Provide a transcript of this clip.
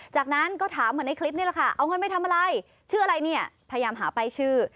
จากนั้นก็ถามเหมือนในคลิปนี่แหละค่ะเอาเงินไปทำอะไรชื่ออะไรเนี่ยพยายามหาป้ายชื่อ